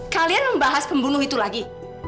kalian membahas pembunuh itu lagi